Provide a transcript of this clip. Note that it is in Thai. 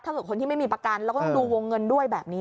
คนที่ไม่มีประกันแล้วก็ต้องดูวงเงินด้วยแบบนี้